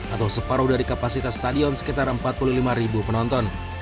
atau separuh dari kapasitas stadion sekitar empat puluh lima ribu penonton